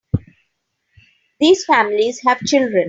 These families have children.